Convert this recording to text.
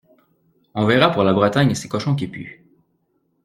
On verra pour la Bretagne et ses cochons qui puent